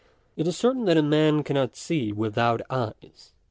Tt is certain that a man cannot see without eyes.